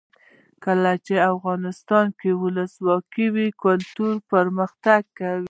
کله چې افغانستان کې ولسواکي وي کلتور پرمختګ کوي.